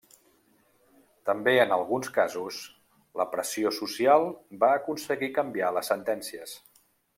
També en alguns casos, la pressió social va aconseguir canviar les sentències.